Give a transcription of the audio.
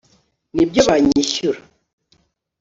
nibyo banyishyura